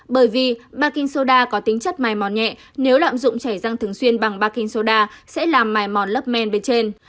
bởi vì baking soda có tính chất mài mòn nhẹ nếu lạm dụng chảy răng thường xuyên bằng baking soda sẽ làm mài mòn lớp men bên trên